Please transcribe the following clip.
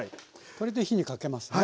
これで火にかけますね。